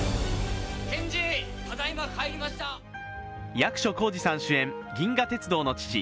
役所広司さん主演「銀河鉄道の父」。